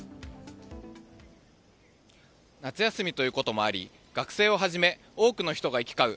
夏休みということもあり学生をはじめ多くの人が行き交う